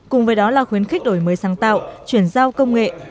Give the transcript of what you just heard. cùng với đó là khuyến khích đổi mới sáng tạo chuyển giao công nghệ